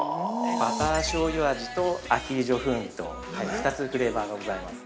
◆バター醤油味とアヒージョ風味と２つ、フレーバーがございます。